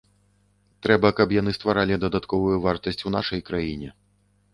Трэба, каб яны стваралі дадатковую вартасць у нашай краіне.